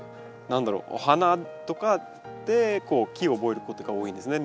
何だろうお花とかで木を覚えることが多いんですね